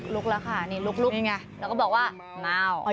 ลุกแล้วค่ะนี่ลุกไงแล้วก็บอกว่าอ้าว